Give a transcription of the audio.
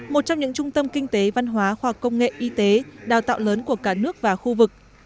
một trong những trung tâm kinh tế văn hóa khoa học công nghệ y tế đào tạo lớn của cả nước và khu vực